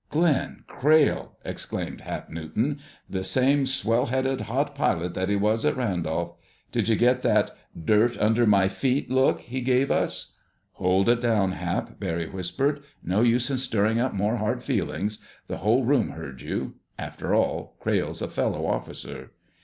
"Glenn Crayle!" exclaimed Hap Newton. "The same swell headed hot pilot that he was at Randolph! Did you get that 'dirt under my feet' look he gave us?" "Hold it down, Hap!" Barry whispered. "No use in stirring up more hard feelings. The whole room heard you. After all, Crayle's a fellow officer."